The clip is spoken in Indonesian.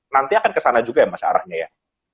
nanti akan kesana juga ya mas arahnya ya